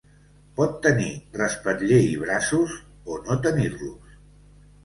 Pot tenir respatller i braços o no tenir-los.